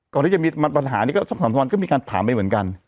ก่อนที่จะมีปัญหานี้ก็สองสามสามวันก็มีการถามไปเหมือนกัน